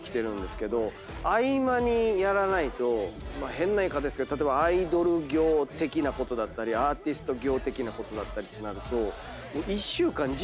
変な言い方ですけど例えばアイドル業的なことだったりアーティスト業的なことだったりってなると。